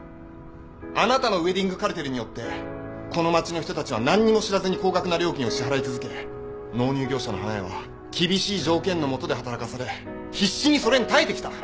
あなたのウエディングカルテルによってこの街の人たちは何にも知らずに高額な料金を支払い続け納入業者の花屋は厳しい条件のもとで働かされ必死にそれに耐えてきた。